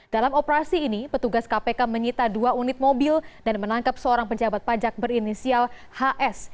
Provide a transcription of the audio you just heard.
dalam operasi ini petugas kpk menyita dua unit mobil dan menangkap seorang pejabat pajak berinisial hs